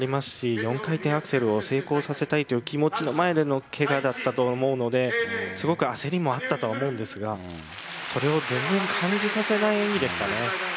４回転アクセルを成功させたい気持ちの前でのけがだったと思うのですごく焦りもあったと思いますがそれを全然感じさせない演技でした。